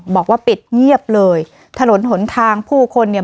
บอกว่าปิดเงียบเลยถนนหนทางผู้คนเนี่ย